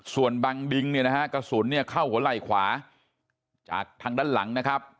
ส่วนบังดิงเนี่ยนะฮะกระสุนเนี่ยเข้าหัวไหล่ขวาจากทางด้านหลังนะครับ